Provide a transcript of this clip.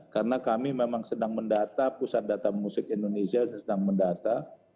karena kami memang sedang mendata pusat data musik indonesia sedang mendata